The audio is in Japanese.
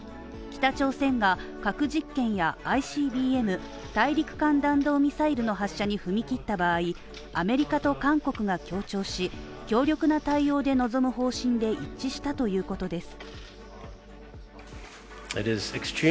北朝鮮が核実験やＩＣＢＭ＝大陸間弾道ミサイルの発射に踏み切った場合、アメリカと韓国が協調し、強力な対応で臨む方針で一致したということです。